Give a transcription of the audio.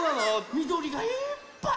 みどりがいっぱい。